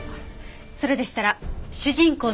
それでしたら主人公の朱雀が。